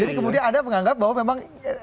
jadi kemudian ada penganggap bahwa memang